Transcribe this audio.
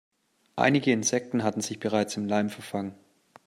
Einige Insekten hatten sich bereits im Leim verfangen.